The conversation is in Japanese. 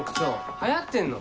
流行ってんの？